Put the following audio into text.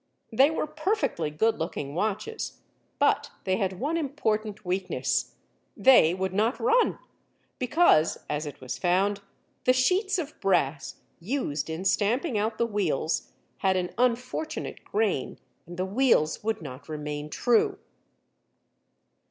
They were perfectly good looking watches, but they had one important weakness—they would not run, because, as it was found, the sheets of brass used in stamping out the wheels had an unfortunate grain, and the wheels would not remain true.